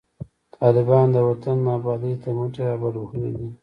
طالبان د وطن آبادۍ ته مټي رابډوهلي دي